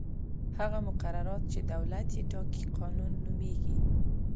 هغه مقررات چې دولت یې ټاکي قانون نومیږي.